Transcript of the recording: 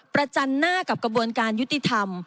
จันหน้ากับกระบวนการยุติธรรม